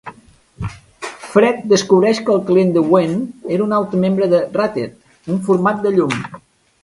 Fred descobreix que el client de Gwen era un altre membre de Ra-tet, un format de llum.